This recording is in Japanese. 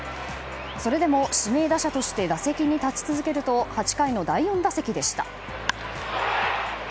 それでも指名打者として打席に立ち続けると８回の第４打席でした。